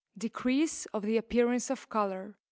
DECREASE OF THE APPEARANCE OF COLOUR.